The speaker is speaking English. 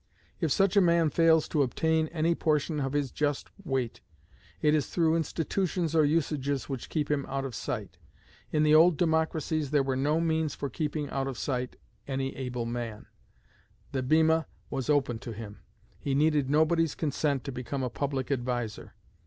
If such a man fails to obtain any portion of his just weight, it is through institutions or usages which keep him out of sight. In the old democracies there were no means of keeping out of sight any able man: the bema was open to him; he needed nobody's consent to become a public adviser.